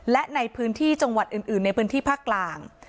และในพื้นที่จังหวัดอื่นในพื้นที่ภาคกลาง